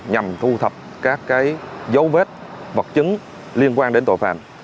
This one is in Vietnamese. nhằm thu thập các dấu vết vật chứng liên quan đến tội phạm